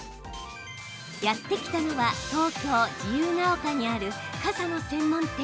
やって来たのは東京・自由が丘にある傘の専門店。